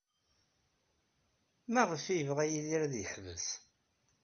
Maɣef ay yebɣa Yidir ad yeḥbes?